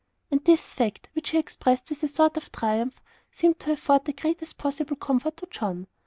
And this fact, which he expressed with a sort of triumph, seemed to afford the greatest possible comfort to John.